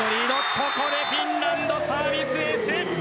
ここでフィンランドサービスエース。